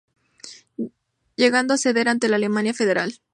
Llegando a ceder ante la Alemania Federal.